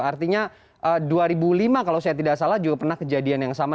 artinya dua ribu lima kalau saya tidak salah juga pernah kejadian yang sama